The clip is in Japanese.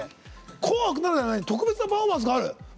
「紅白」ならではの特別なパフォーマンスがある？